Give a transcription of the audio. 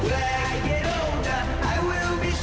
ท่านแรกครับจันทรุ่ม